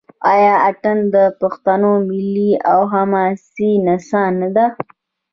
آیا اټن د پښتنو ملي او حماسي نڅا نه ده؟